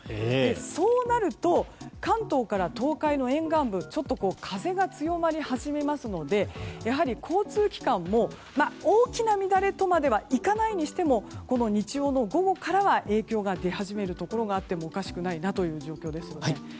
そうなると関東から東海の沿岸部ちょっと風が強まり始めますのでやはり交通機関も大きな乱れとまではいかないにしても日曜日の午後からは影響が出始めるところがあってもおかしくないなという状況です。